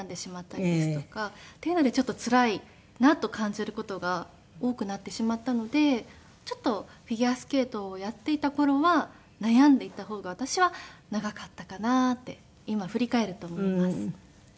っていうのでちょっとつらいなと感じる事が多くなってしまったのでちょっとフィギュアスケートをやっていた頃は悩んでいた方が私は長かったかなって今振り返ると思います。